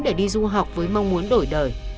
để đi du học với mong muốn đổi đời